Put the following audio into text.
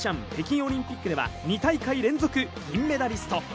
ピョンチャン、北京オリンピックでは２大会連続、銀メダリスト。